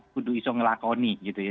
kudu iso ngelakoni gitu ya